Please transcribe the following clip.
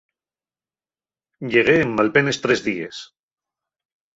Llegué en malpenes tres díes.